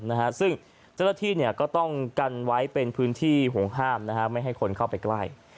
ซึ่งเจ้าหน้าที่ก็ต้องกันไว้เป็นพื้นที่ห่วงห้ามนะฮะไม่ให้คนเข้าไปใกล้